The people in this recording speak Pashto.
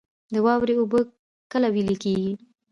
د واورې اوبه کله ویلی کیږي؟